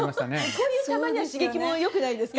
こういうたまには刺激もよくないですか？